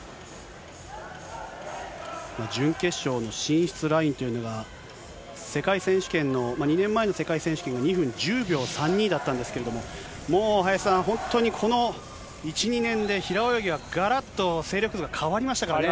準決勝の進出ラインというのが、世界選手権の、２年前の世界選手権が２分１０秒３２だったんですけど、もう林さん、本当にこの１、２年で、平泳ぎはがらっと勢力図が変わりましたからね。